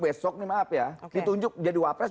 besok nih maaf ya ditunjuk jadi wapres